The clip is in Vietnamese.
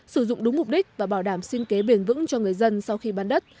sử dụng đúng mục đích và bảo đảm sinh kế bền vững cho người dân sau khi bán đất